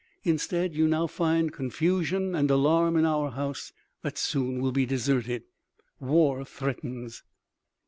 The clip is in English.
Instead, you now find confusion and alarm in our house that soon will be deserted.... War threatens."